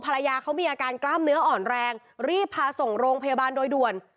ภรรยาเขามีอาการกล้ามเนื้ออ่อนแรงรีบพาส่งโรงพยาบาลโดยด่วน